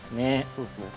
そうですね。